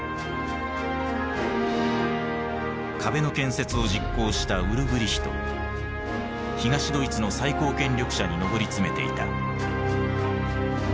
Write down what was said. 壁の建設を実行した東ドイツの最高権力者に上り詰めていた。